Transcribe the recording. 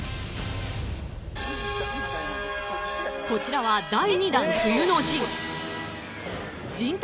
こちらは第２弾「冬の陣」。